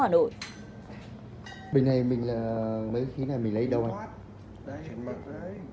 bình này bình này mấy khí này mình lấy đâu anh